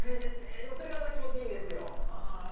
でもそれがまた気持ちいいんですよ。